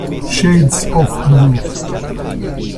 Shades of Blue